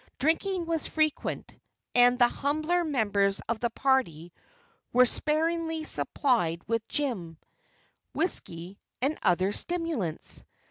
Drinking was frequent, and the humbler members of the party were sparingly supplied with gin, whiskey and other stimulants.